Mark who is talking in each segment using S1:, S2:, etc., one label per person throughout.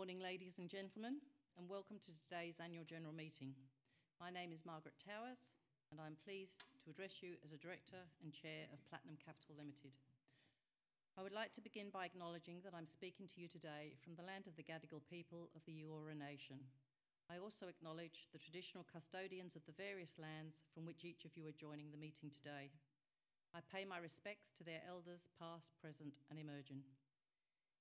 S1: Good morning, ladies and gentlemen, and welcome to today's annual general meeting. My name is Margaret Towers, and I am pleased to address you as a Director and Chair of Platinum Capital Limited. I would like to begin by acknowledging that I'm speaking to you today from the land of the Gadigal people of the Eora Nation. I also acknowledge the traditional custodians of the various lands from which each of you are joining the meeting today. I pay my respects to their elders, past, present, and emerging.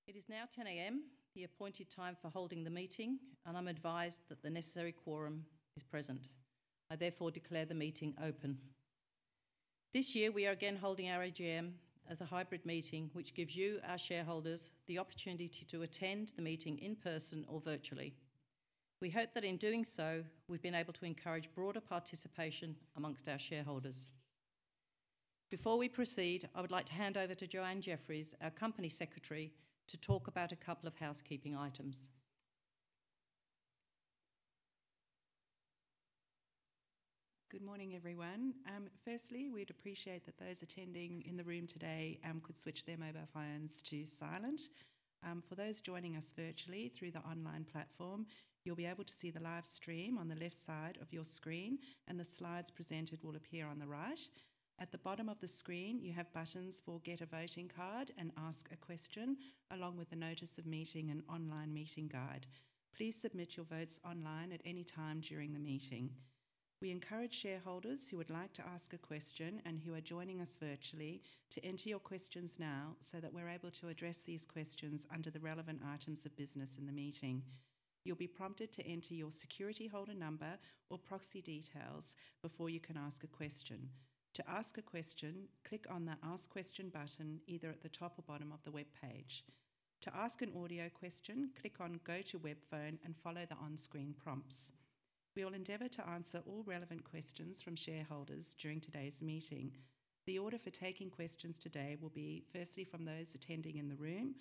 S1: It is now 10:00 A.M., the appointed time for holding the meeting, and I'm advised that the necessary quorum is present. I therefore declare the meeting open. This year, we are again holding our AGM as a hybrid meeting, which gives you, our shareholders, the opportunity to attend the meeting in person or virtually. We hope that in doing so, we've been able to encourage broader participation among our shareholders. Before we proceed, I would like to hand over to Joanne Jefferies, our Company Secretary, to talk about a couple of housekeeping items.
S2: Good morning, everyone. Firstly, we'd appreciate that those attending in the room today could switch their mobile phones to silent. For those joining us virtually through the online platform, you'll be able to see the live stream on the left side of your screen, and the slides presented will appear on the right. At the bottom of the screen, you have buttons for "Get a Voting Card" and "Ask a Question," along with the Notice of Meeting and Online Meeting Guide. Please submit your votes online at any time during the meeting. We encourage shareholders who would like to ask a question and who are joining us virtually to enter your questions now so that we're able to address these questions under the relevant items of business in the meeting. You'll be prompted to enter your security holder number or proxy details before you can ask a question. To ask a question, click on the "Ask Question" button either at the top or bottom of the webpage. To ask an audio question, click on "Go to Web Phone" and follow the on-screen prompts. We will endeavor to answer all relevant questions from shareholders during today's meeting. The order for taking questions today will be firstly from those attending in the room,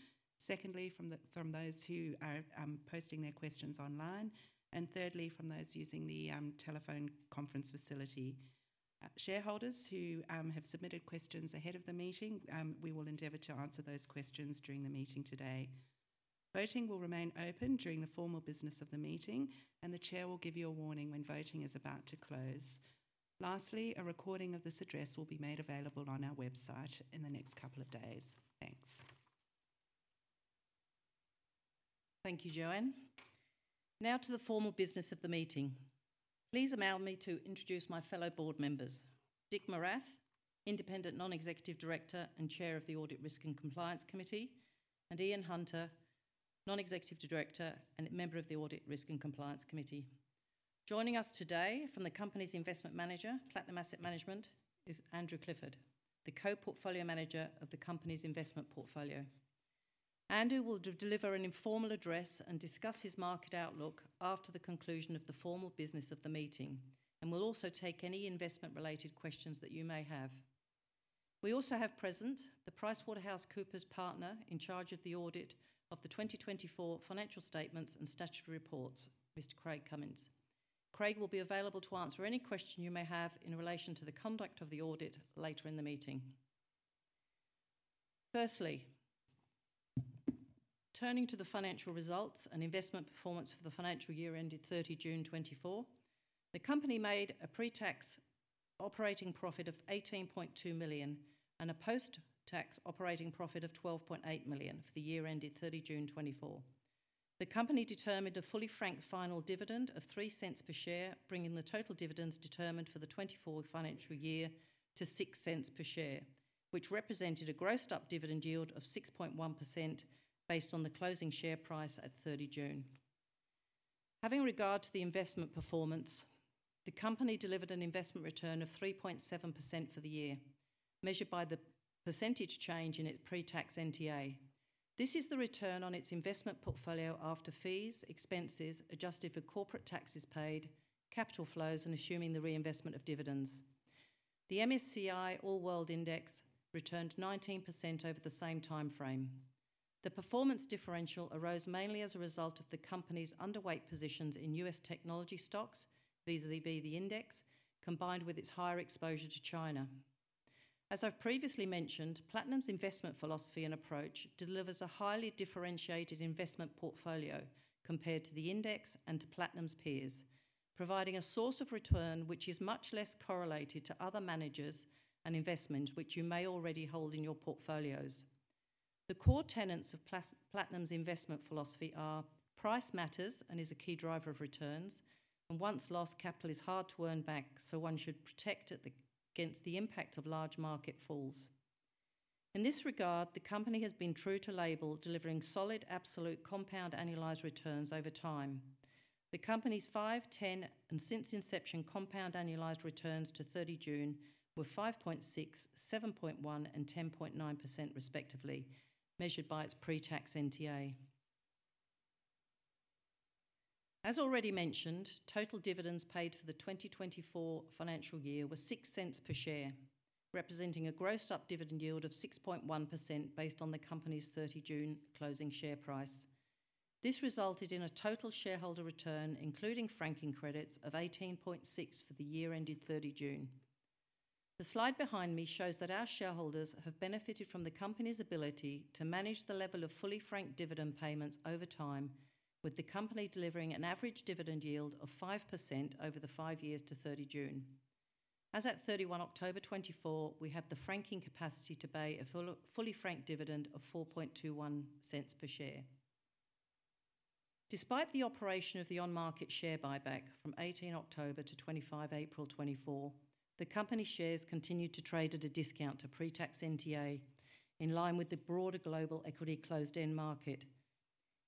S2: secondly from those who are posting their questions online, and thirdly from those using the telephone conference facility. Shareholders who have submitted questions ahead of the meeting, we will endeavor to answer those questions during the meeting today. Voting will remain open during the formal business of the meeting, and the Chair will give you a warning when voting is about to close. Lastly, a recording of this address will be made available on our website in the next couple of days. Thanks.
S1: Thank you, Joanne. Now to the formal business of the meeting. Please allow me to introduce my fellow board members, Dick Morath, Independent Non-Executive Director and Chair of the Audit Risk and Compliance Committee, and Ian Hunter, Non-Executive Director and a member of the Audit Risk and Compliance Committee. Joining us today from the Company's Investment Manager, Platinum Asset Management, is Andrew Clifford, the Co-Portfolio Manager of the Company's Investment Portfolio. Andrew will deliver an informal address and discuss his market outlook after the conclusion of the formal business of the meeting, and will also take any investment-related questions that you may have. We also have present the PricewaterhouseCoopers partner in charge of the audit of the 2024 financial statements and statutory reports, Mr. Craig Cummins. Craig will be available to answer any question you may have in relation to the conduct of the audit later in the meeting. Firstly, turning to the financial results and investment performance for the financial year ended 30 June 2024, the Company made a pre-tax operating profit of 18.2 million and a post-tax operating profit of 12.8 million for the year ended 30 June 2024. The Company determined a fully franked final dividend of 0.03 per share, bringing the total dividends determined for the 2024 financial year to 0.06 per share, which represented a grossed-up dividend yield of 6.1% based on the closing share price at 30 June. Having regard to the investment performance, the Company delivered an investment return of 3.7% for the year, measured by the percentage change in its pre-tax NTA. This is the return on its investment portfolio after fees, expenses adjusted for corporate taxes paid, capital flows, and assuming the reinvestment of dividends. The MSCI All World Index returned 19% over the same timeframe. The performance differential arose mainly as a result of the Company's underweight positions in U.S. technology stocks, vis-à-vis the index, combined with its higher exposure to China. As I've previously mentioned, Platinum's investment philosophy and approach delivers a highly differentiated investment portfolio compared to the index and to Platinum's peers, providing a source of return which is much less correlated to other managers and investments which you may already hold in your portfolios. The core tenets of Platinum's investment philosophy are price matters and is a key driver of returns, and once lost capital is hard to earn back, so one should protect against the impact of large market falls. In this regard, the Company has been true to label, delivering solid, absolute, compound annualized returns over time. The Company's 5, 10, and since inception compound annualized returns to 30 June were 5.6%, 7.1%, and 10.9% respectively, measured by its pre-tax NTA. As already mentioned, total dividends paid for the 2024 financial year were 0.06 per share, representing a grossed-up dividend yield of 6.1% based on the Company's 30 June closing share price. This resulted in a total shareholder return, including franking credits, of 18.6% for the year ended 30 June. The slide behind me shows that our shareholders have benefited from the Company's ability to manage the level of fully franked dividend payments over time, with the Company delivering an average dividend yield of 5% over the five years to 30 June. As at 31 October 2024, we have the franking capacity to pay a fully franked dividend of 0.0421 per share. Despite the operation of the on-market share buyback from 18 October to 25 April 2024, the Company's shares continued to trade at a discount to pre-tax NTA, in line with the broader global equity closed-end market.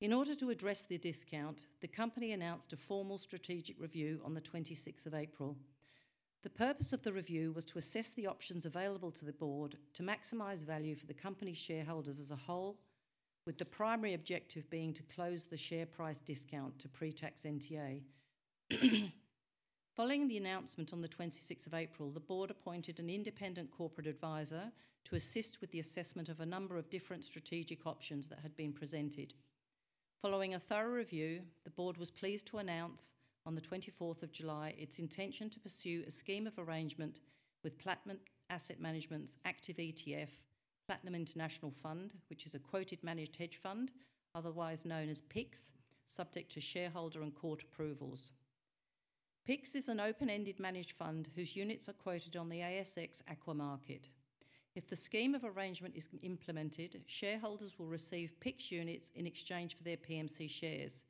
S1: In order to address the discount, the Company announced a formal strategic review on the 26th of April. The purpose of the review was to assess the options available to the board to maximize value for the Company's shareholders as a whole, with the primary objective being to close the share price discount to pre-tax NTA. Following the announcement on the 26th of April, the board appointed an independent corporate advisor to assist with the assessment of a number of different strategic options that had been presented. Following a thorough review, the board was pleased to announce on the 24th of July its intention to pursue a scheme of arrangement with Platinum Asset Management's active ETF, Platinum International Fund, which is a quoted managed hedge fund, otherwise known as PIXX, subject to shareholder and court approvals. PIXX is an open-ended managed fund whose units are quoted on the ASX AQUA Market. If the scheme of arrangement is implemented, shareholders will receive PIXX units in exchange for their PMC shares,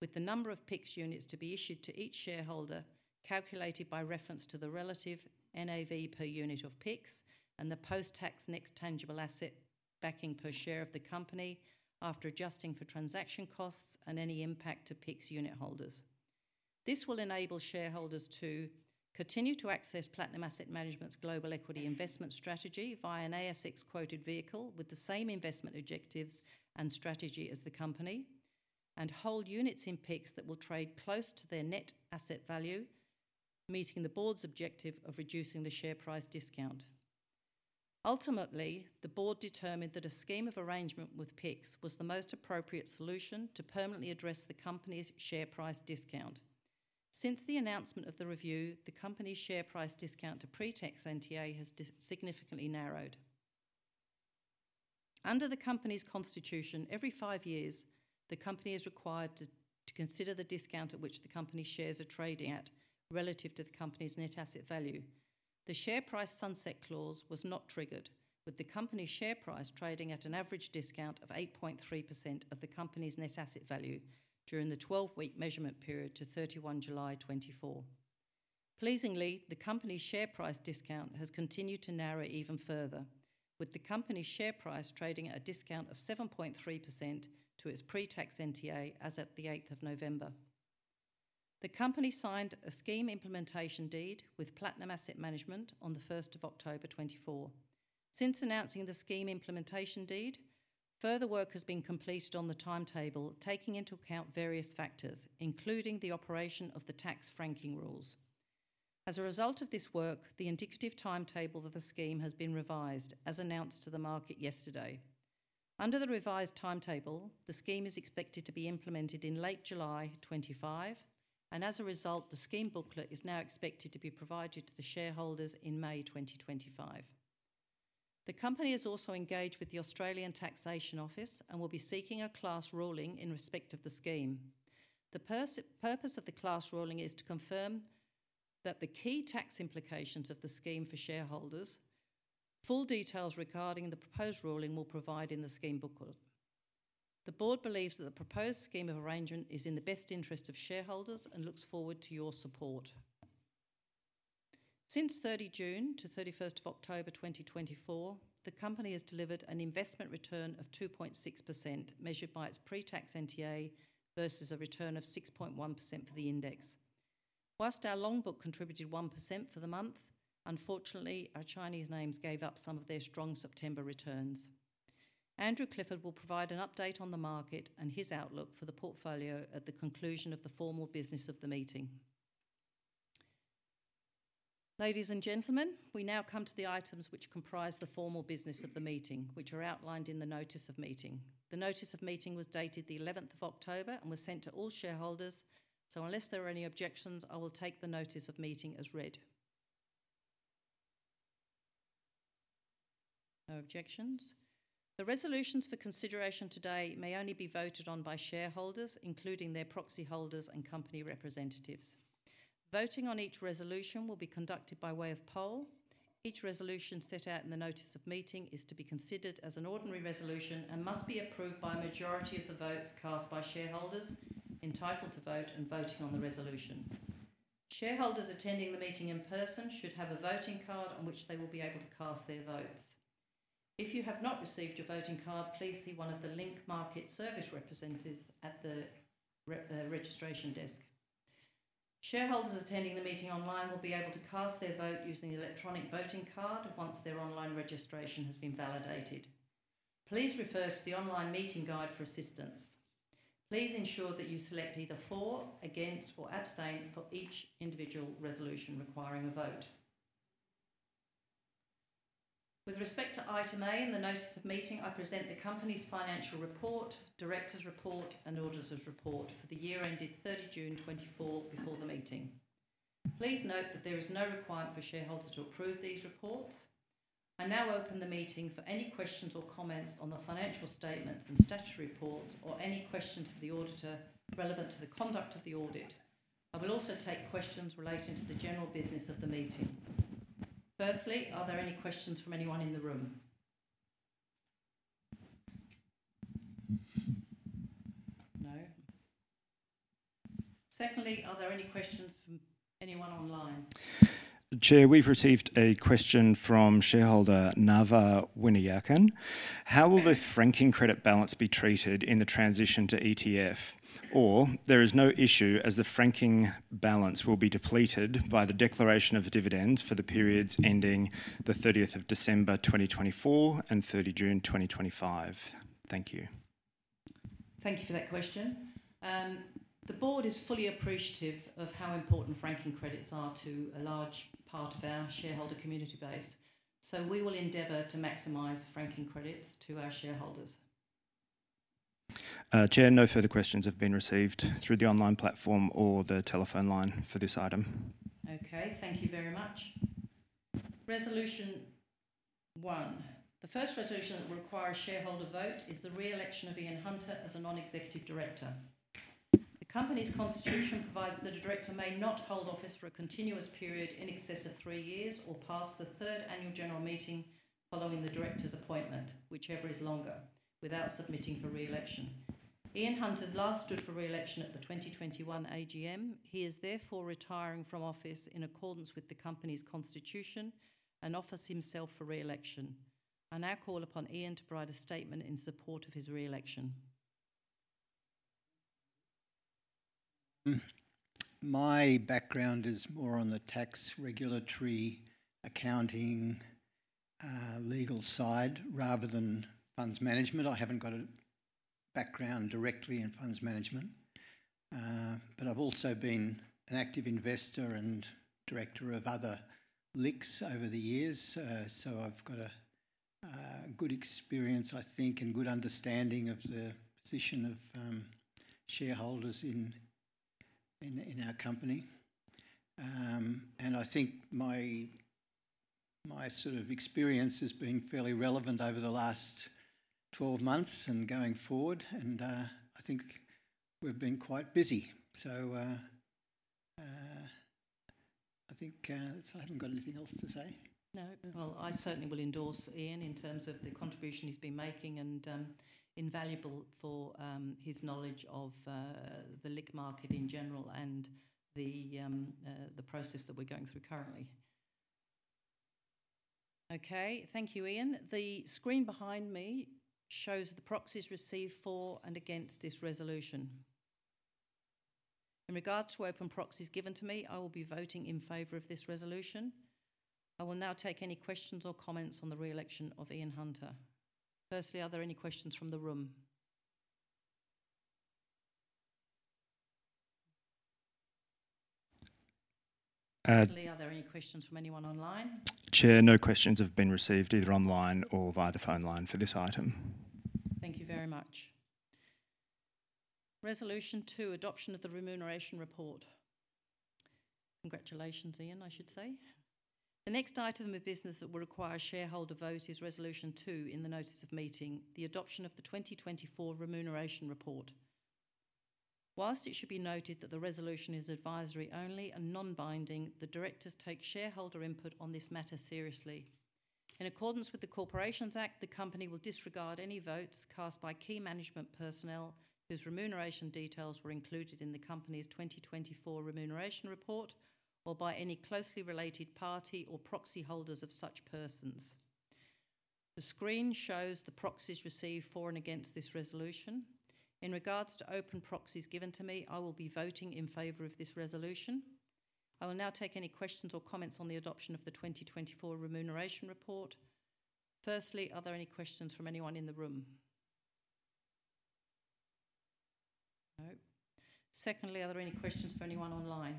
S1: with the number of PIXX units to be issued to each shareholder calculated by reference to the relative NAV per unit of PIXX and the post-tax net tangible asset backing per share of the Company after adjusting for transaction costs and any impact to PIXX unit holders. This will enable shareholders to continue to access Platinum Asset Management's global equity investment strategy via an ASX quoted vehicle with the same investment objectives and strategy as the Company, and hold units in PIXX that will trade close to their net asset value, meeting the board's objective of reducing the share price discount. Ultimately, the board determined that a scheme of arrangement with PIXX was the most appropriate solution to permanently address the Company's share price discount. Since the announcement of the review, the Company's share price discount to pre-tax NTA has significantly narrowed. Under the Company's constitution, every five years, the Company is required to consider the discount at which the Company's shares are trading at relative to the Company's net asset value. The share price sunset clause was not triggered, with the Company's share price trading at an average discount of 8.3% of the Company's net asset value during the 12-week measurement period to 31 July 2024. Pleasingly, the Company's share price discount has continued to narrow even further, with the Company's share price trading at a discount of 7.3% to its pre-tax NTA as of the 8th of November. The Company signed a scheme implementation deed with Platinum Asset Management on the 1st of October 2024. Since announcing the scheme implementation deed, further work has been completed on the timetable, taking into account various factors, including the operation of the tax franking rules. As a result of this work, the indicative timetable of the scheme has been revised, as announced to the market yesterday. Under the revised timetable, the scheme is expected to be implemented in late July 2025, and as a result, the scheme booklet is now expected to be provided to the shareholders in May 2025. The Company has also engaged with the Australian Taxation Office and will be seeking a class ruling in respect of the scheme. The purpose of the class ruling is to confirm that the key tax implications of the scheme for shareholders. Full details regarding the proposed ruling will be provided in the scheme booklet. The board believes that the proposed scheme of arrangement is in the best interest of shareholders and looks forward to your support. Since 30 June to 31st October 2024, the Company has delivered an investment return of 2.6% measured by its pre-tax NTA versus a return of 6.1% for the index. While our long book contributed 1% for the month, unfortunately, our Chinese names gave up some of their strong September returns. Andrew Clifford will provide an update on the market and his outlook for the portfolio at the conclusion of the formal business of the meeting. Ladies and gentlemen, we now come to the items which comprise the formal business of the meeting, which are outlined in the Notice of Meeting. The Notice of Meeting was dated the 11th of October and was sent to all shareholders, so unless there are any objections, I will take the Notice of Meeting as read. No objections. The resolutions for consideration today may only be voted on by shareholders, including their proxy holders and Company representatives. Voting on each resolution will be conducted by way of poll. Each resolution set out in the Notice of Meeting is to be considered as an ordinary resolution and must be approved by a majority of the votes cast by shareholders entitled to vote and voting on the resolution. Shareholders attending the meeting in person should have a voting card on which they will be able to cast their votes. If you have not received your voting card, please see one of the Link Market Services representatives at the registration desk. Shareholders attending the meeting online will be able to cast their vote using the electronic voting card once their online registration has been validated. Please refer to the online meeting guide for assistance. Please ensure that you select either for, against, or abstain for each individual resolution requiring a vote. With respect to item A in the Notice of Meeting, I present the Company's financial report, director's report, and auditor's report for the year ended 30 June 2024 before the meeting. Please note that there is no requirement for shareholders to approve these reports. I now open the meeting for any questions or comments on the financial statements and statutory reports or any questions for the auditor relevant to the conduct of the audit. I will also take questions relating to the general business of the meeting. Firstly, are there any questions from anyone in the room? No? Secondly, are there any questions from anyone online? Chair, we've received a question from shareholder Nava Winayakan. How will the franking credit balance be treated in the transition to ETF? Or there is no issue as the franking balance will be depleted by the declaration of dividends for the periods ending the 30th of December 2024 and 30 June 2025. Thank you. Thank you for that question. The board is fully appreciative of how important franking credits are to a large part of our shareholder community base, so we will endeavor to maximize franking credits to our shareholders. Chair, no further questions have been received through the online platform or the telephone line for this item. Okay, thank you very much. Resolution 1. The first resolution that will require a shareholder vote is the re-election of Ian Hunter as a non-executive director. The Company's constitution provides that a director may not hold office for a continuous period in excess of three years or pass the third annual general meeting following the director's appointment, whichever is longer, without submitting for re-election. Ian Hunter last stood for re-election at the 2021 AGM. He is therefore retiring from office in accordance with the Company's constitution and offers himself for re-election. I now call upon Ian to provide a statement in support of his re-election.
S3: My background is more on the tax regulatory accounting legal side rather than funds management. I haven't got a background directly in funds management, but I've also been an active investor and director of other LICs over the years, so I've got a good experience, I think, and good understanding of the position of shareholders in our company. And I think my sort of experience has been fairly relevant over the last 12 months and going forward, and I think we've been quite busy. So I think I haven't got anything else to say.
S1: No. Well, I certainly will endorse Ian in terms of the contribution he's been making and invaluable for his knowledge of the LIC market in general and the process that we're going through currently. Okay, thank you, Ian. The screen behind me shows the proxies received for and against this resolution. In regards to open proxies given to me, I will be voting in favor of this resolution. I will now take any questions or comments on the re-election of Ian Hunter. Firstly, are there any questions from the room? Secondly, are there any questions from anyone online? Chair, no questions have been received either online or via the phone line for this item. Thank you very much. Resolution 2, adoption of the Remuneration Report. Congratulations, Ian, I should say. The next item of business that will require a shareholder vote is Resolution 2 in the Notice of Meeting, the adoption of the 2024 Remuneration Report. While it should be noted that the resolution is advisory only and non-binding, the directors take shareholder input on this matter seriously. In accordance with the Corporations Act, the Company will disregard any votes cast by key management personnel whose remuneration details were included in the Company's 2024 Remuneration Report or by any closely related party or proxy holders of such persons. The screen shows the proxies received for and against this resolution. In regards to open proxies given to me, I will be voting in favor of this resolution. I will now take any questions or comments on the adoption of the 2024 Remuneration Report. Firstly, are there any questions from anyone in the room? No? Secondly, are there any questions from anyone online?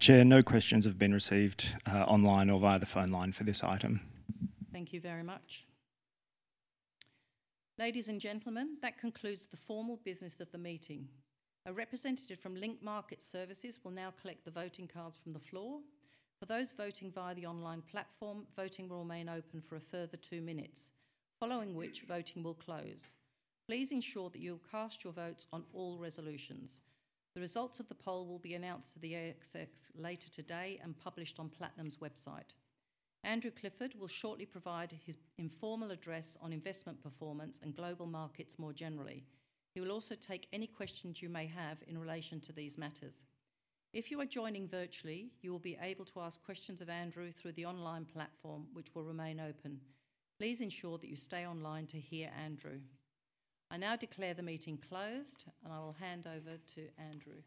S1: Chair, no questions have been received online or via the phone line for this item. Thank you very much. Ladies and gentlemen, that concludes the formal business of the meeting. A representative from Link Market Services will now collect the voting cards from the floor. For those voting via the online platform, voting will remain open for a further two minutes, following which voting will close. Please ensure that you will cast your votes on all resolutions. The results of the poll will be announced to the ASX later today and published on Platinum's website. Andrew Clifford will shortly provide his informal address on investment performance and global markets more generally. He will also take any questions you may have in relation to these matters. If you are joining virtually, you will be able to ask questions of Andrew through the online platform, which will remain open. Please ensure that you stay online to hear Andrew. I now declare the meeting closed, and I will hand over to Andrew.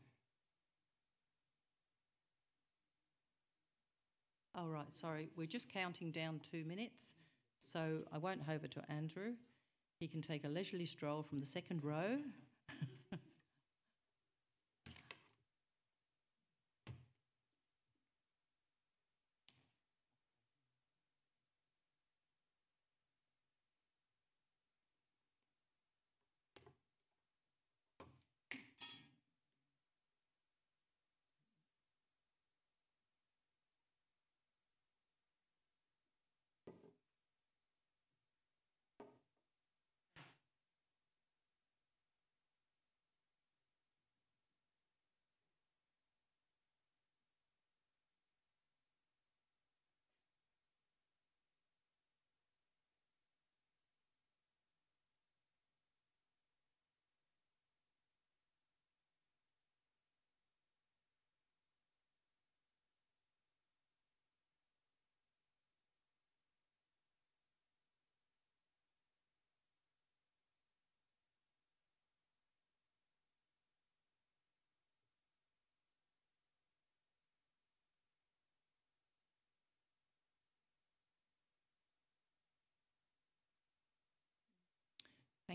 S1: All right, sorry, we're just counting down two minutes, so I won't hand over to Andrew. He can take a leisurely stroll from the second row.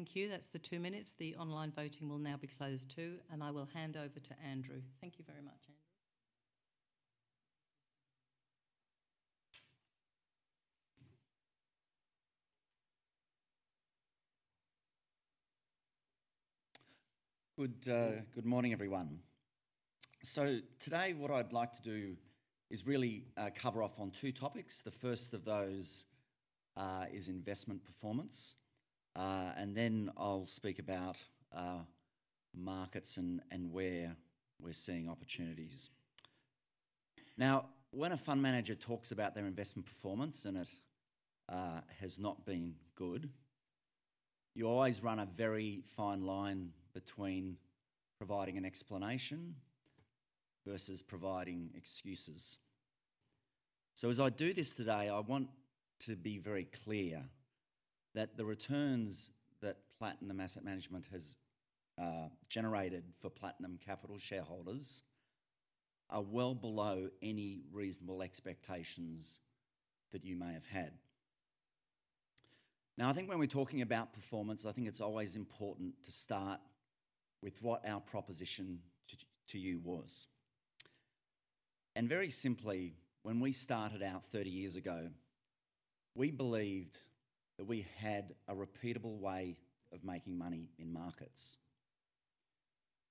S1: Thank you. That's the two minutes. The online voting will now be closed too, and I will hand over to Andrew. Thank you very much, Andrew.
S4: Good morning, everyone. So today what I'd like to do is really cover off on two topics. The first of those is investment performance, and then I'll speak about markets and where we're seeing opportunities. Now, when a fund manager talks about their investment performance and it has not been good, you always run a very fine line between providing an explanation versus providing excuses. So as I do this today, I want to be very clear that the returns that Platinum Asset Management has generated for Platinum Capital shareholders are well below any reasonable expectations that you may have had. Now, I think when we're talking about performance, I think it's always important to start with what our proposition to you was. And very simply, when we started out 30 years ago, we believed that we had a repeatable way of making money in markets.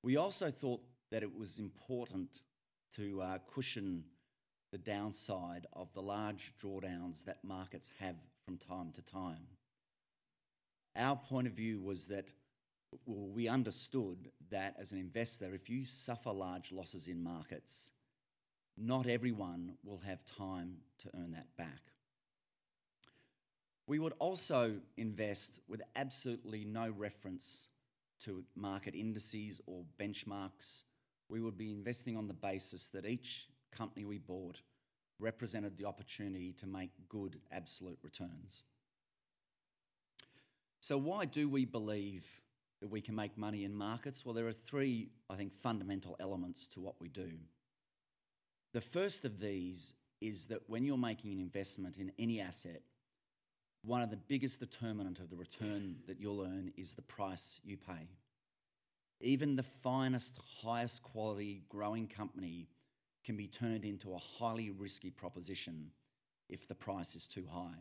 S4: We also thought that it was important to cushion the downside of the large drawdowns that markets have from time to time. Our point of view was that we understood that as an investor, if you suffer large losses in markets, not everyone will have time to earn that back. We would also invest with absolutely no reference to market indices or benchmarks. We would be investing on the basis that each company we bought represented the opportunity to make good absolute returns. So why do we believe that we can make money in markets? Well, there are three, I think, fundamental elements to what we do. The first of these is that when you're making an investment in any asset, one of the biggest determinants of the return that you'll earn is the price you pay. Even the finest, highest quality growing company can be turned into a highly risky proposition if the price is too high.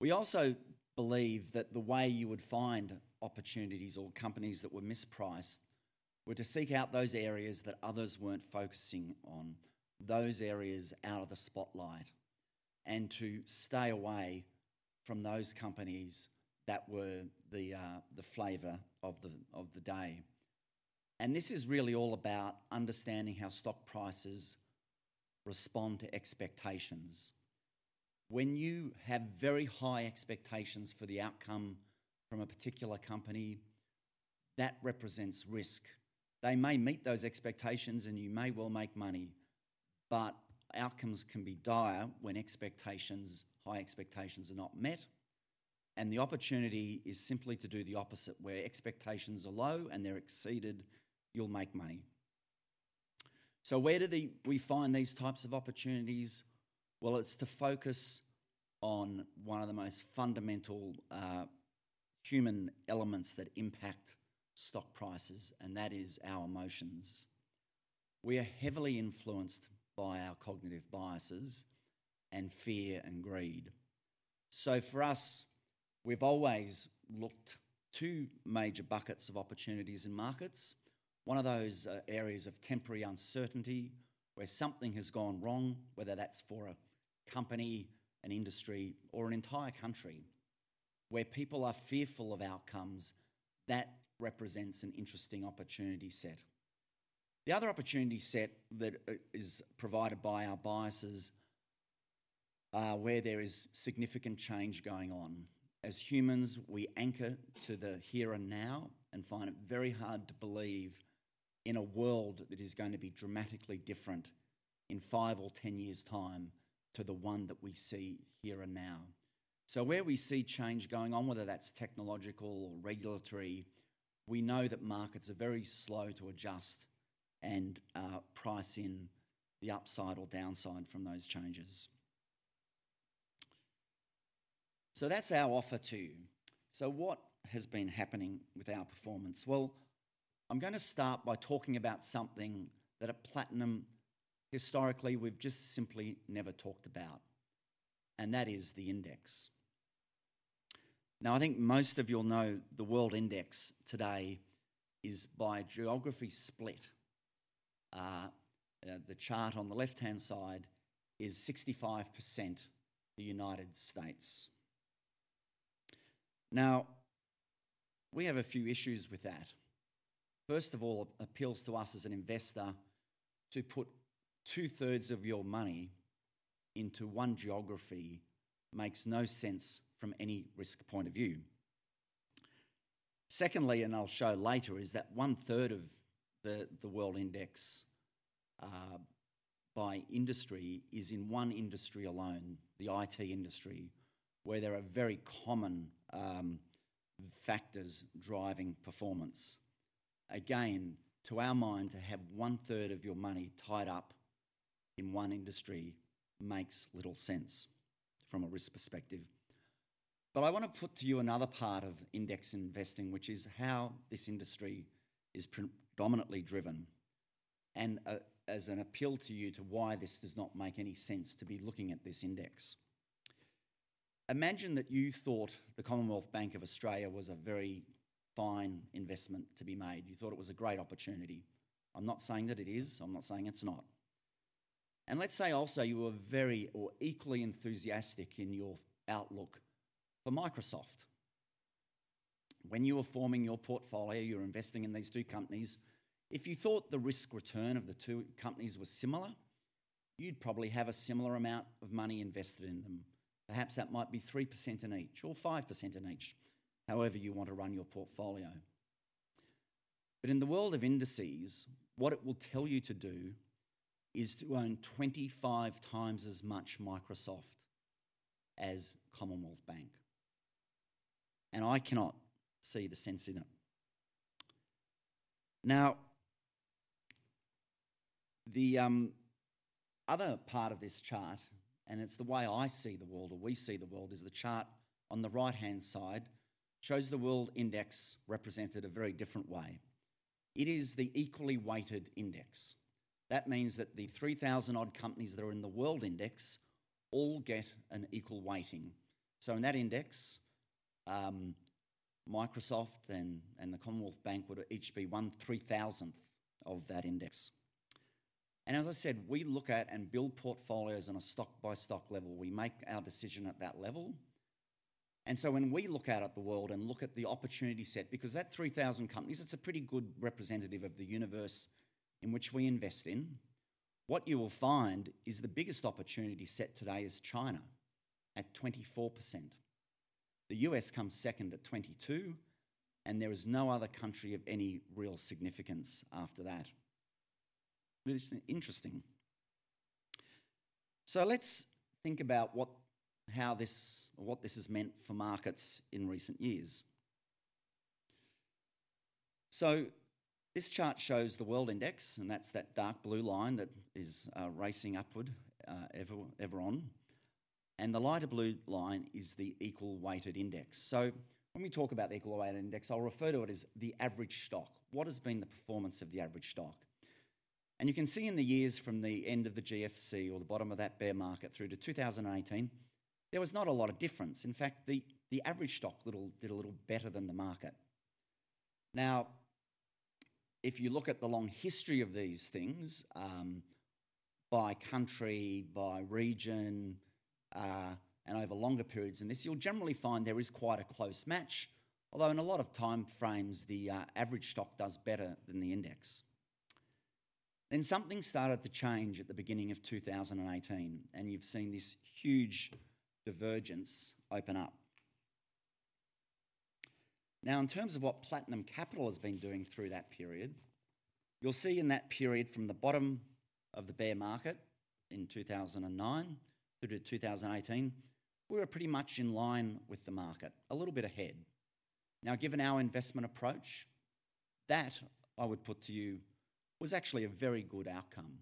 S4: We also believe that the way you would find opportunities or companies that were mispriced was to seek out those areas that others weren't focusing on, those areas out of the spotlight, and to stay away from those companies that were the flavor of the day. And this is really all about understanding how stock prices respond to expectations. When you have very high expectations for the outcome from a particular company, that represents risk. They may meet those expectations, and you may well make money, but outcomes can be dire when high expectations are not met. And the opportunity is simply to do the opposite. Where expectations are low and they're exceeded, you'll make money. So where do we find these types of opportunities? Well, it's to focus on one of the most fundamental human elements that impact stock prices, and that is our emotions. We are heavily influenced by our cognitive biases and fear and greed. So for us, we've always looked to major buckets of opportunities in markets. One of those areas of temporary uncertainty, where something has gone wrong, whether that's for a company, an industry, or an entire country, where people are fearful of outcomes, that represents an interesting opportunity set. The other opportunity set that is provided by our biases is where there is significant change going on. As humans, we anchor to the here and now and find it very hard to believe in a world that is going to be dramatically different in five or ten years' time to the one that we see here and now. So where we see change going on, whether that's technological or regulatory, we know that markets are very slow to adjust and price in the upside or downside from those changes. So that's our offer to you. So what has been happening with our performance? Well, I'm going to start by talking about something that at Platinum, historically, we've just simply never talked about, and that is the index. Now, I think most of you'll know the World Index today is by geography split. The chart on the left-hand side is 65% the United States. Now, we have a few issues with that. First of all, it appeals to us as an investor to put two-thirds of your money into one geography. Makes no sense from any risk point of view. Secondly, and I'll show later, is that 1/3 of the World Index by industry is in one industry alone, the IT industry, where there are very common factors driving performance. Again, to our mind, to have 1/3 of your money tied up in one industry makes little sense from a risk perspective. But I want to put to you another part of index investing, which is how this industry is predominantly driven, and as an appeal to you to why this does not make any sense to be looking at this index. Imagine that you thought the Commonwealth Bank of Australia was a very fine investment to be made. You thought it was a great opportunity. I'm not saying that it is. I'm not saying it's not, and let's say also you were very or equally enthusiastic in your outlook for Microsoft. When you were forming your portfolio, you were investing in these two companies. If you thought the risk return of the two companies was similar, you'd probably have a similar amount of money invested in them. Perhaps that might be 3% in each or 5% in each, however you want to run your portfolio, but in the world of indices, what it will tell you to do is to own 25x as much Microsoft as Commonwealth Bank, and I cannot see the sense in it. Now, the other part of this chart, and it's the way I see the world or we see the world, is the chart on the right-hand side shows the World Index represented a very different way. It is the equally weighted index. That means that the 3,000-odd companies that are in the World Index all get an equal weighting. In that index, Microsoft and the Commonwealth Bank would each be one 3,000th of that index. And as I said, we look at and build portfolios on a stock-by-stock level. We make our decision at that level. And so when we look out at the world and look at the opportunity set, because that 3,000 companies, it's a pretty good representative of the universe in which we invest in, what you will find is the biggest opportunity set today is China at 24%. The U.S. comes second at 22%, and there is no other country of any real significance after that. Really interesting. So let's think about how this has meant for markets in recent years. So this chart shows the World Index, and that's that dark blue line that is racing upward ever on. And the lighter blue line is the equal-weighted index. So when we talk about the equal-weighted index, I'll refer to it as the average stock. What has been the performance of the average stock? And you can see in the years from the end of the GFC or the bottom of that bear market through to 2018, there was not a lot of difference. In fact, the average stock did a little better than the market. Now, if you look at the long history of these things, by country, by region, and over longer periods than this, you'll generally find there is quite a close match, although in a lot of time frames, the average stock does better than the index. Then something started to change at the beginning of 2018, and you've seen this huge divergence open up. Now, in terms of what Platinum Capital has been doing through that period, you'll see in that period from the bottom of the bear market in 2009 through to 2018, we were pretty much in line with the market, a little bit ahead. Now, given our investment approach, that, I would put to you, was actually a very good outcome.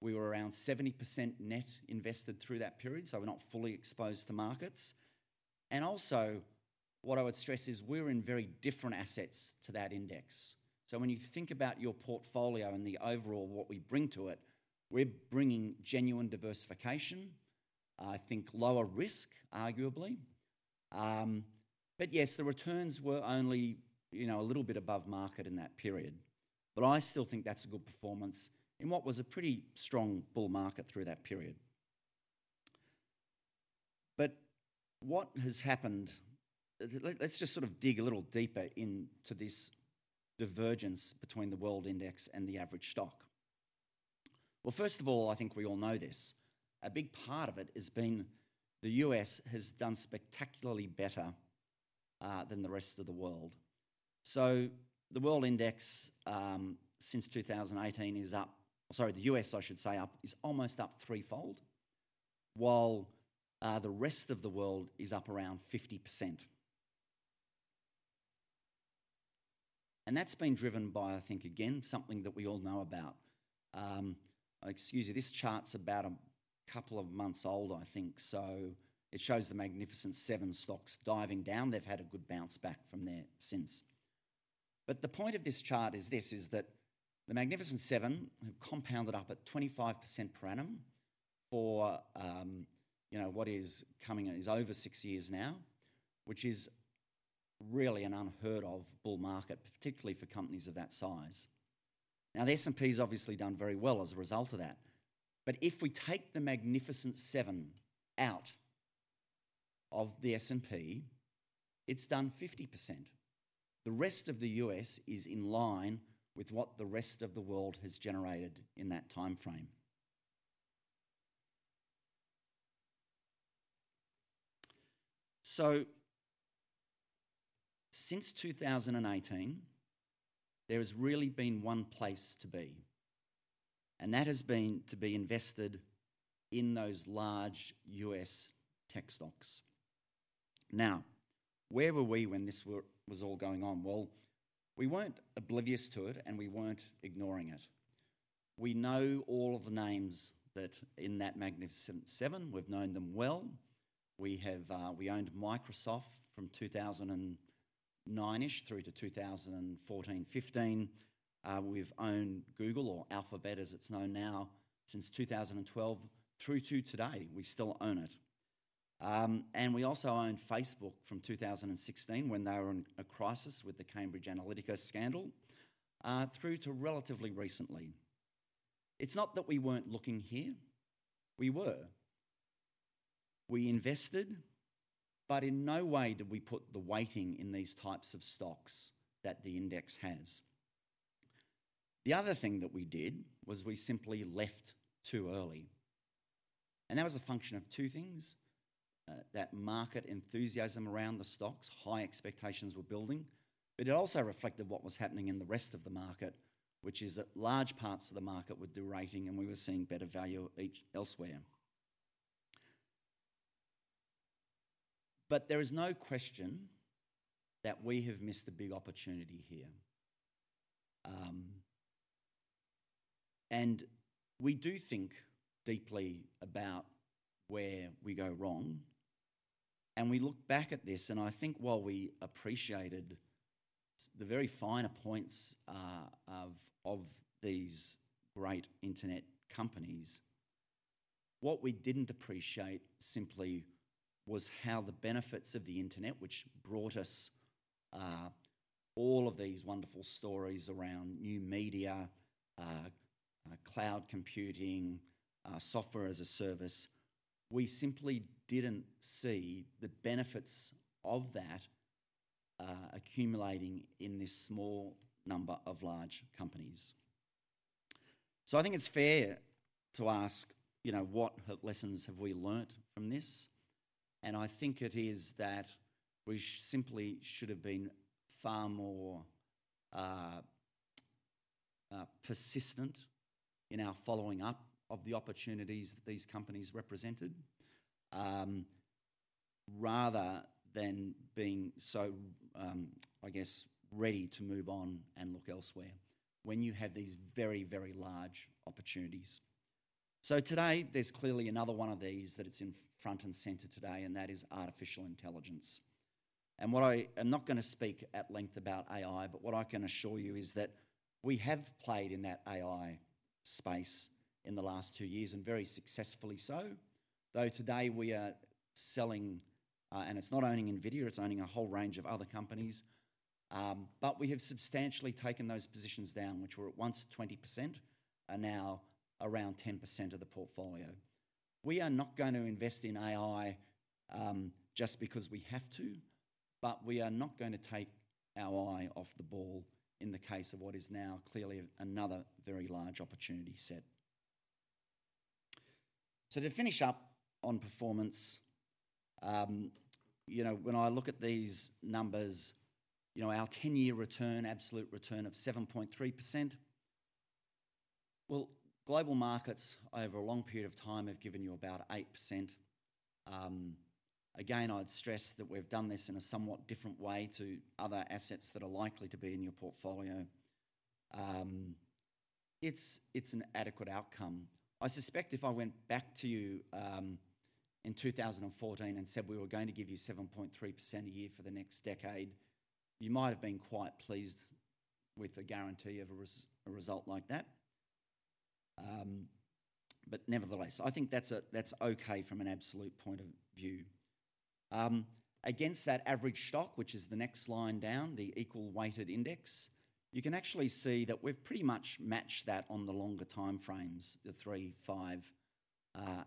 S4: We were around 70% net invested through that period, so we're not fully exposed to markets. And also, what I would stress is we're in very different assets to that index. So when you think about your portfolio and the overall what we bring to it, we're bringing genuine diversification, I think lower risk, arguably. But yes, the returns were only a little bit above market in that period. But I still think that's a good performance in what was a pretty strong bull market through that period. But what has happened? Let's just sort of dig a little deeper into this divergence between the World Index and the average stock. Well, first of all, I think we all know this. A big part of it has been the U.S. has done spectacularly better than the rest of the world. So the World Index since 2018 is up, or sorry, the U.S., I should say, is almost up threefold, while the rest of the world is up around 50%. And that's been driven by, I think, again, something that we all know about. Excuse me, this chart's about a couple of months old, I think, so it shows the Magnificent Seven stocks diving down. They've had a good bounce back from there since. But the point of this chart is this: the Magnificent Seven have compounded up at 25% per annum for what is coming is over six years now, which is really an unheard-of bull market, particularly for companies of that size. Now, the S&P has obviously done very well as a result of that. but if we take the Magnificent Seven out of the S&P, it's done 50%. The rest of the U.S. is in line with what the rest of the world has generated in that time frame. so since 2018, there has really been one place to be, and that has been to be invested in those large U.S. tech stocks. Now, where were we when this was all going on? well, we weren't oblivious to it, and we weren't ignoring it. We know all of the names that in that Magnificent Seven. We've known them well. We owned Microsoft from 2009-ish through to 2014-2015. We've owned Google or Alphabet, as it's known now, since 2012 through to today. We still own it. And we also owned Facebook from 2016 when they were in a crisis with the Cambridge Analytica scandal through to relatively recently. It's not that we weren't looking here. We were. We invested, but in no way did we put the weighting in these types of stocks that the index has. The other thing that we did was we simply left too early. And that was a function of two things: that market enthusiasm around the stocks, high expectations were building, but it also reflected what was happening in the rest of the market, which is that large parts of the market were derating, and we were seeing better value elsewhere. But there is no question that we have missed a big opportunity here. And we do think deeply about where we go wrong. And we look back at this, and I think while we appreciated the very finer points of these great internet companies, what we didn't appreciate simply was how the benefits of the internet, which brought us all of these wonderful stories around new media, cloud computing, software as a service, we simply didn't see the benefits of that accumulating in this small number of large companies. So I think it's fair to ask what lessons have we learned from this? And I think it is that we simply should have been far more persistent in our following up of the opportunities that these companies represented rather than being so, I guess, ready to move on and look elsewhere when you have these very, very large opportunities. So today, there's clearly another one of these that it's in front and center today, and that is artificial intelligence. And I'm not going to speak at length about AI, but what I can assure you is that we have played in that AI space in the last two years and very successfully so, though today we are selling, and it's not owning NVIDIA, it's owning a whole range of other companies, but we have substantially taken those positions down, which were at once 20% and now around 10% of the portfolio. We are not going to invest in AI just because we have to, but we are not going to take our eye off the ball in the case of what is now clearly another very large opportunity set. So to finish up on performance, when I look at these numbers, our 10-year return, absolute return of 7.3%, well, global markets over a long period of time have given you about 8%. Again, I'd stress that we've done this in a somewhat different way to other assets that are likely to be in your portfolio. It's an adequate outcome. I suspect if I went back to you in 2014 and said we were going to give you 7.3% a year for the next decade, you might have been quite pleased with the guarantee of a result like that. But nevertheless, I think that's okay from an absolute point of view. Against that average stock, which is the next line down, the equal-weighted index, you can actually see that we've pretty much matched that on the longer time frames, the three, five,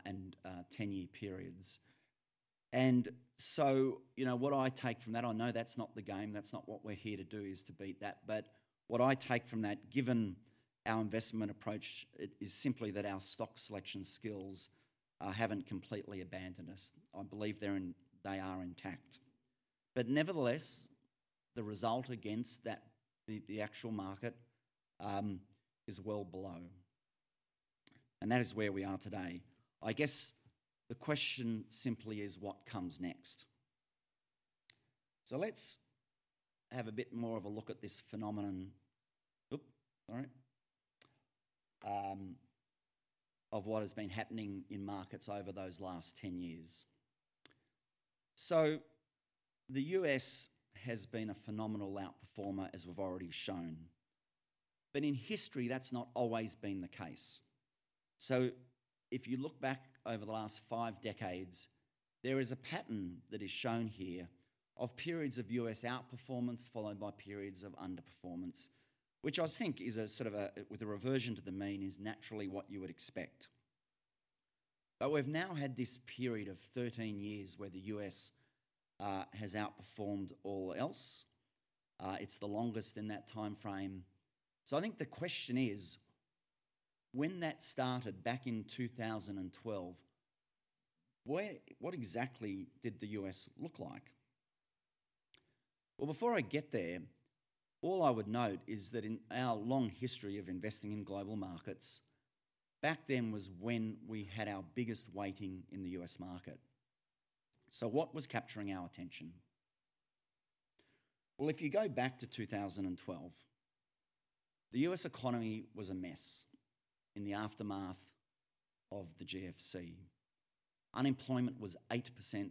S4: and 10-year periods. And so what I take from that, I know that's not the game. That's not what we're here to do, is to beat that. But what I take from that, given our investment approach, is simply that our stock selection skills haven't completely abandoned us. I believe they are intact. But nevertheless, the result against the actual market is well below. And that is where we are today. I guess the question simply is, what comes next? So let's have a bit more of a look at this phenomenon of what has been happening in markets over those last 10 years. So the U.S. has been a phenomenal outperformer, as we've already shown. But in history, that's not always been the case. If you look back over the last five decades, there is a pattern that is shown here of periods of U.S. outperformance followed by periods of underperformance, which I think is a sort of a reversion to the mean is naturally what you would expect. But we've now had this period of 13 years where the U.S. has outperformed all else. It's the longest in that time frame. I think the question is, when that started back in 2012, what exactly did the U.S. look like? Before I get there, all I would note is that in our long history of investing in global markets, back then was when we had our biggest weighting in the U.S. market. What was capturing our attention? If you go back to 2012, the U.S. economy was a mess in the aftermath of the GFC. Unemployment was 8%.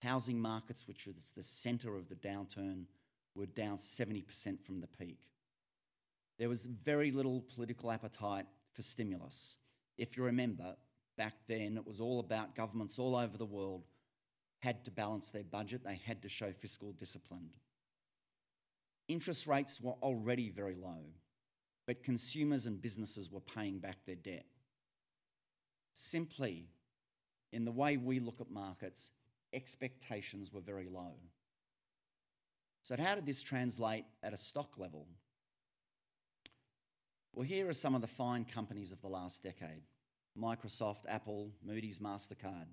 S4: Housing markets, which was the center of the downturn, were down 70% from the peak. There was very little political appetite for stimulus. If you remember, back then, it was all about governments all over the world had to balance their budget. They had to show fiscal discipline. Interest rates were already very low, but consumers and businesses were paying back their debt. Simply, in the way we look at markets, expectations were very low. So how did this translate at a stock level? Well, here are some of the fine companies of the last decade: Microsoft, Apple, Moody's, Mastercard.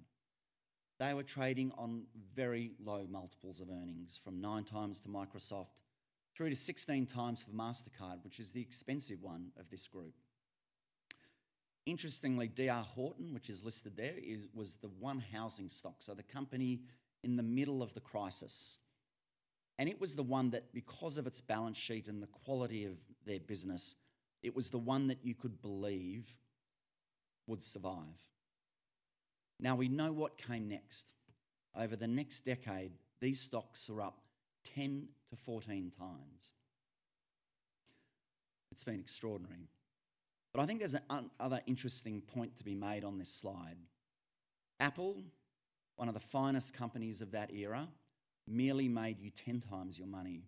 S4: They were trading on very low multiples of earnings, from 9x to Microsoft through to 16x for Mastercard, which is the expensive one of this group. Interestingly, D.R. Horton, which is listed there, was the one housing stock, so the company in the middle of the crisis. It was the one that, because of its balance sheet and the quality of their business, it was the one that you could believe would survive. Now, we know what came next. Over the next decade, these stocks were up 10x-14x. It's been extraordinary. But I think there's another interesting point to be made on this slide. Apple, one of the finest companies of that era, merely made you 10x your money.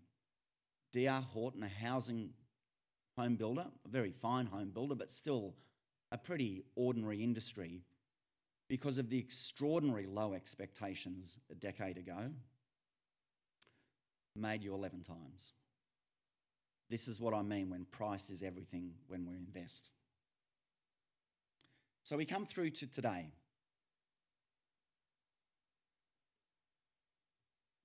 S4: D.R. Horton, a housing home builder, a very fine home builder, but still a pretty ordinary industry, because of the extraordinary low expectations a decade ago, made you 11x. This is what I mean when price is everything when we invest. So we come through to today.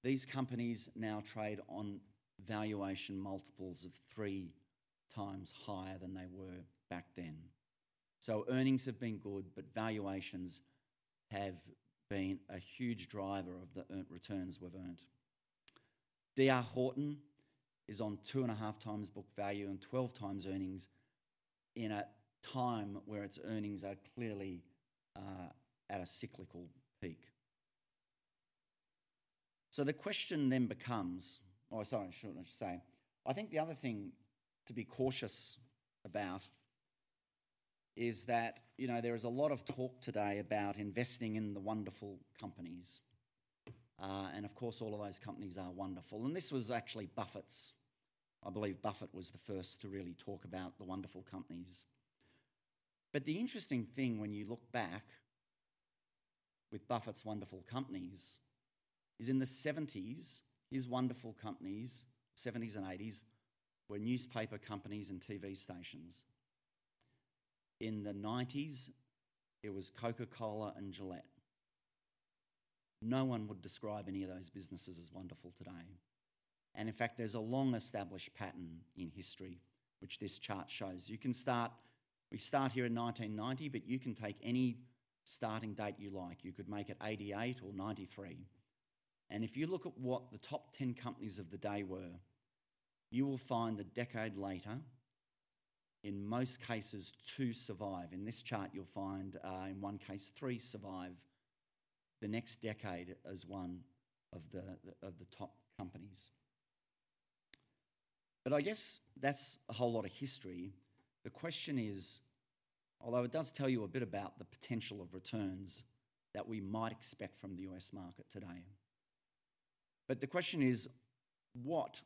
S4: These companies now trade on valuation multiples of three times higher than they were back then. Earnings have been good, but valuations have been a huge driver of the returns we've earned. D.R. Horton is on two and a half times book value and 12x earnings in a time where its earnings are clearly at a cyclical peak. The question then becomes, or sorry, I shouldn't say. I think the other thing to be cautious about is that there is a lot of talk today about investing in the wonderful companies. Of course, all of those companies are wonderful. This was actually Buffett's. I believe Buffett was the first to really talk about the wonderful companies. The interesting thing when you look back with Buffett's wonderful companies is in the 1970s, his wonderful companies, 1970s and 1980s, were newspaper companies and TV stations. In the 1990s, it was Coca-Cola and Gillette. No one would describe any of those businesses as wonderful today. And in fact, there's a long-established pattern in history, which this chart shows. We start here in 1990, but you can take any starting date you like. You could make it 1988 or 1993. And if you look at what the top 10 companies of the day were, you will find a decade later, in most cases, two survive. In this chart, you'll find in one case three survive the next decade as one of the top companies. But I guess that's a whole lot of history. The question is, although it does tell you a bit about the potential of returns that we might expect from the U.S. market today, but the question is, what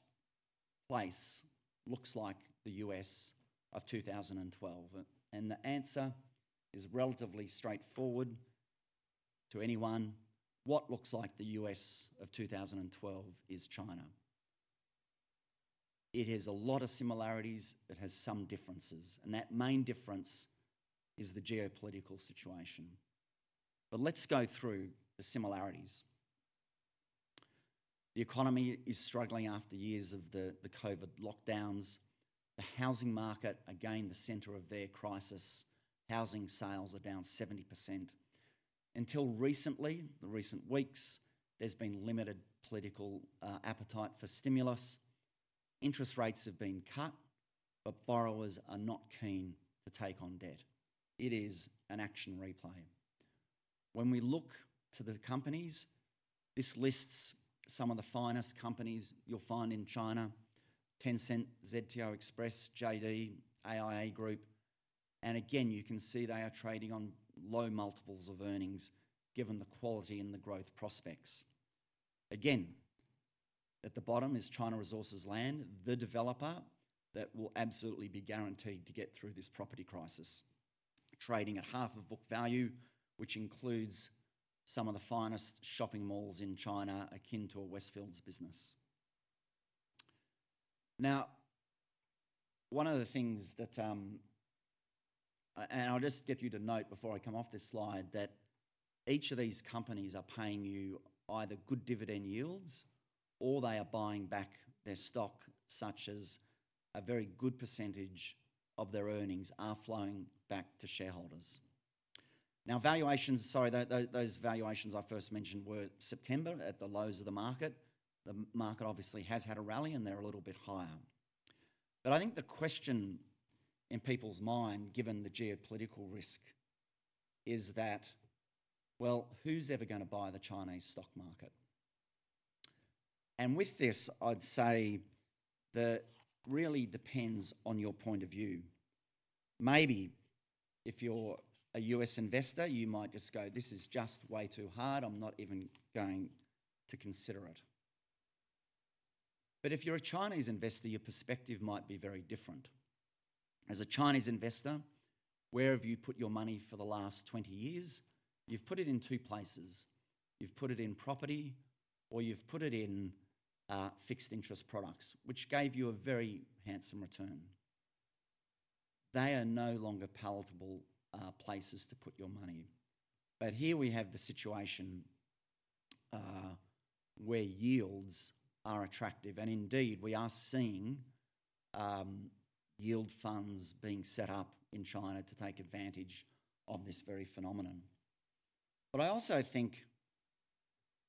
S4: place looks like the U.S. of 2012? And the answer is relatively straightforward to anyone. What looks like the U.S. of 2012 is China. It has a lot of similarities. It has some differences, and that main difference is the geopolitical situation, but let's go through the similarities. The economy is struggling after years of the COVID lockdowns. The housing market, again, the center of their crisis. Housing sales are down 70%. Until recently, the recent weeks, there's been limited political appetite for stimulus. Interest rates have been cut, but borrowers are not keen to take on debt. It is an action replay. When we look to the companies, this lists some of the finest companies you'll find in China: Tencent, ZTO Express, JD, AIA Group, and again, you can see they are trading on low multiples of earnings given the quality and the growth prospects. Again, at the bottom is China Resources Land, the developer that will absolutely be guaranteed to get through this property crisis, trading at half of book value, which includes some of the finest shopping malls in China akin to a Westfield's business. Now, one of the things that—and I'll just get you to note before I come off this slide—that each of these companies are paying you either good dividend yields or they are buying back their stock, such as a very good percentage of their earnings are flowing back to shareholders. Now, valuations, sorry, those valuations I first mentioned were September at the lows of the market. The market obviously has had a rally, and they're a little bit higher. But I think the question in people's mind, given the geopolitical risk, is that, well, who's ever going to buy the Chinese stock market? With this, I'd say that really depends on your point of view. Maybe if you're a U.S. investor, you might just go, "This is just way too hard. I'm not even going to consider it." If you're a Chinese investor, your perspective might be very different. As a Chinese investor, where have you put your money for the last 20 years? You've put it in two places. You've put it in property, or you've put it in fixed interest products, which gave you a very handsome return. They are no longer palatable places to put your money. Here we have the situation where yields are attractive. Indeed, we are seeing yield funds being set up in China to take advantage of this very phenomenon. But I also think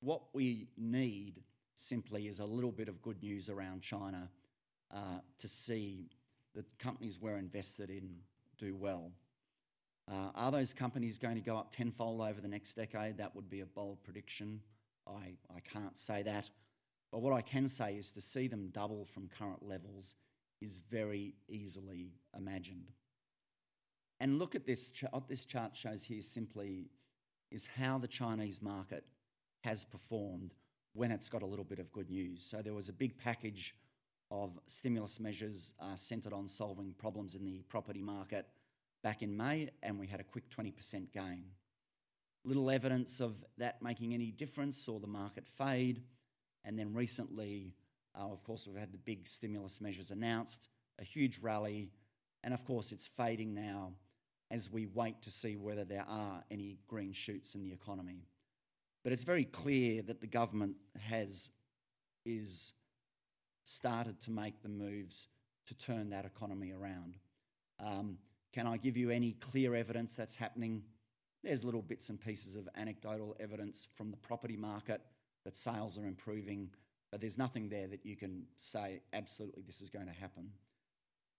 S4: what we need simply is a little bit of good news around China to see the companies we're invested in do well. Are those companies going to go up tenfold over the next decade? That would be a bold prediction. I can't say that. But what I can say is to see them double from current levels is very easily imagined. And look at this chart. What this chart shows here simply is how the Chinese market has performed when it's got a little bit of good news. So there was a big package of stimulus measures centered on solving problems in the property market back in May, and we had a quick 20% gain. Little evidence of that making any difference saw the market fade. And then recently, of course, we've had the big stimulus measures announced, a huge rally. And of course, it's fading now as we wait to see whether there are any green shoots in the economy. But it's very clear that the government has started to make the moves to turn that economy around. Can I give you any clear evidence that's happening? There's little bits and pieces of anecdotal evidence from the property market that sales are improving, but there's nothing there that you can say, "Absolutely, this is going to happen."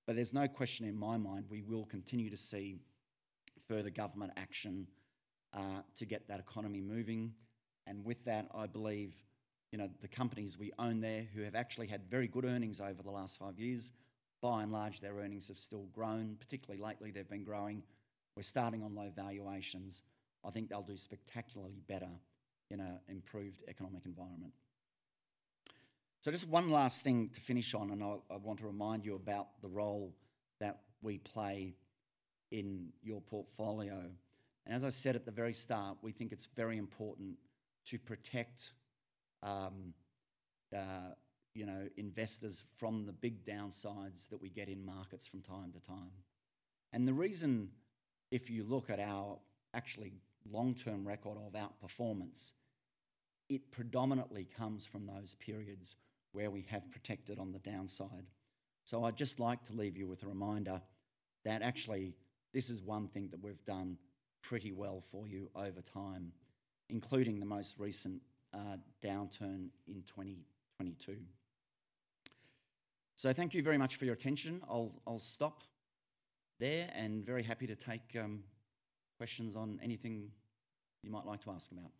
S4: But there's no question in my mind we will continue to see further government action to get that economy moving. And with that, I believe the companies we own there who have actually had very good earnings over the last five years, by and large, their earnings have still grown. Particularly lately, they've been growing. We're starting on low valuations. I think they'll do spectacularly better in an improved economic environment. So just one last thing to finish on, and I want to remind you about the role that we play in your portfolio. And as I said at the very start, we think it's very important to protect investors from the big downsides that we get in markets from time to time. And the reason, if you look at our actually long-term record of outperformance, it predominantly comes from those periods where we have protected on the downside. So I'd just like to leave you with a reminder that actually this is one thing that we've done pretty well for you over time, including the most recent downturn in 2022. So thank you very much for your attention. I'll stop there and very happy to take questions on anything you might like to ask about.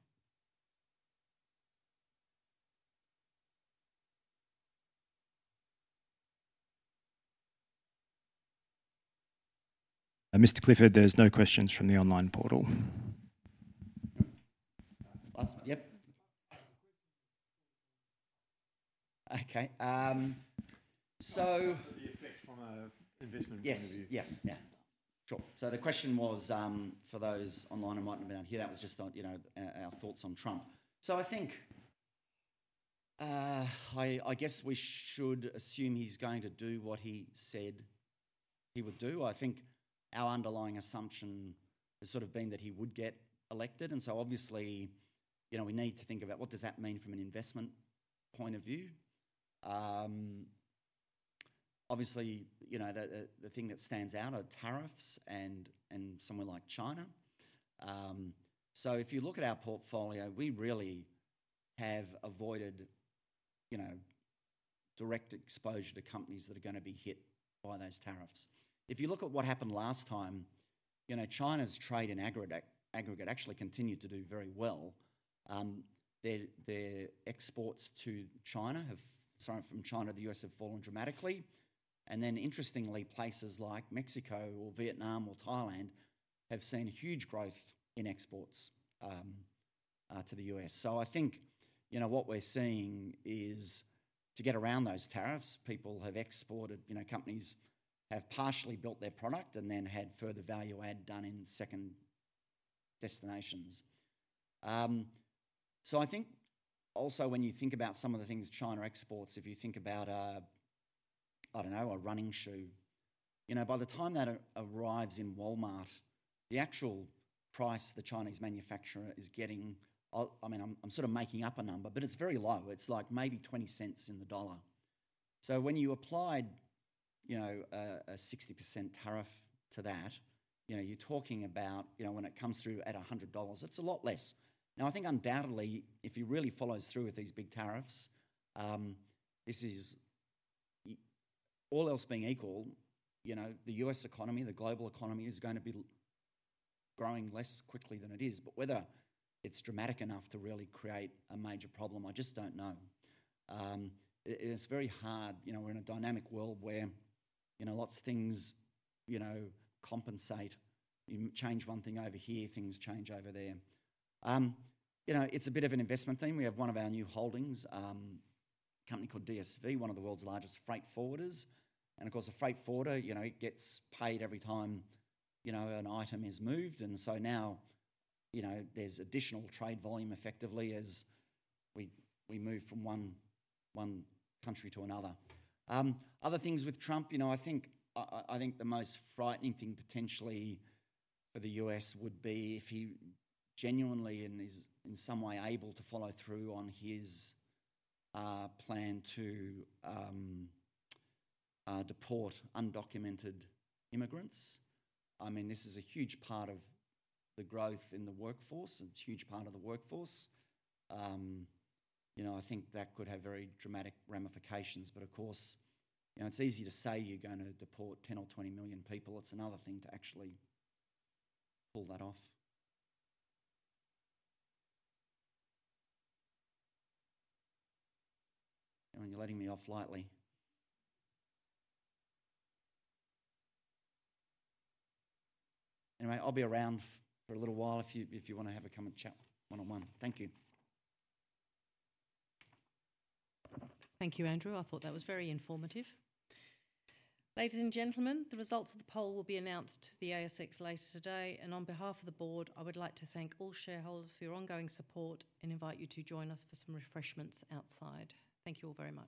S4: Mr. Clifford, there's no questions from the online portal. Last one. Yep. Okay. So. The effect from an investment point of view. Yes. Yep. Yep. Sure, so the question was for those online who might not have been on here. That was just our thoughts on Trump, so I think I guess we should assume he's going to do what he said he would do. I think our underlying assumption has sort of been that he would get elected, and so obviously, we need to think about what does that mean from an investment point of view. Obviously, the thing that stands out are tariffs and somewhere like China, so if you look at our portfolio, we really have avoided direct exposure to companies that are going to be hit by those tariffs. If you look at what happened last time, China's trade in aggregate actually continued to do very well. Their exports to China have - sorry, from China to the U.S. have fallen dramatically. And then interestingly, places like Mexico or Vietnam or Thailand have seen huge growth in exports to the U.S. So I think what we're seeing is to get around those tariffs, people have exported. Companies have partially built their product and then had further value add done in second destinations. So I think also when you think about some of the things China exports, if you think about, I don't know, a running shoe, by the time that arrives in Walmart, the actual price the Chinese manufacturer is getting, I mean, I'm sort of making up a number, but it's very low. It's like maybe $0.20 in the dollar. So when you applied a 60% tariff to that, you're talking about when it comes through at $100, it's a lot less. Now, I think undoubtedly, if he really follows through with these big tariffs, this is all else being equal, the U.S. economy, the global economy is going to be growing less quickly than it is. But whether it's dramatic enough to really create a major problem, I just don't know. It's very hard. We're in a dynamic world where lots of things compensate. You change one thing over here, things change over there. It's a bit of an investment thing. We have one of our new holdings, a company called DSV, one of the world's largest freight forwarders. And of course, a freight forwarder, it gets paid every time an item is moved. And so now there's additional trade volume effectively as we move from one country to another. Other things with Trump, I think the most frightening thing potentially for the U.S. would be if he genuinely and is in some way able to follow through on his plan to deport undocumented immigrants. I mean, this is a huge part of the growth in the workforce. It's a huge part of the workforce. I think that could have very dramatic ramifications. But of course, it's easy to say you're going to deport 10 or 20 million people. It's another thing to actually pull that off. And you're letting me off lightly. Anyway, I'll be around for a little while if you want to come and have a chat one-on-one. Thank you.
S1: Thank you, Andrew. I thought that was very informative. Ladies and gentlemen, the results of the poll will be announced to the ASX later today. And on behalf of the board, I would like to thank all shareholders for your ongoing support and invite you to join us for some refreshments outside. Thank you all very much.